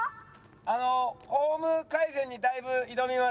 あのフォーム改善にだいぶ挑みまして。